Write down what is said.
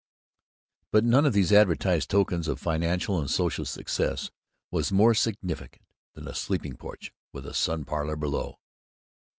But none of these advertised tokens of financial and social success was more significant than a sleeping porch with a sun parlor below.